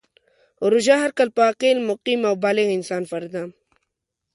روژه هر کال په عاقل ، مقیم او بالغ انسان فرض ده .